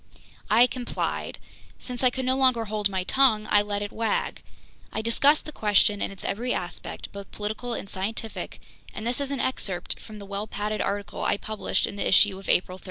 I complied. Since I could no longer hold my tongue, I let it wag. I discussed the question in its every aspect, both political and scientific, and this is an excerpt from the well padded article I published in the issue of April 30.